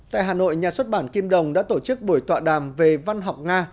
tại hà nội nhà xuất bản kim đồng đã tổ chức buổi tọa đàm về văn học nga